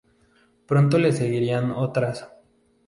Pronto le seguirían otras.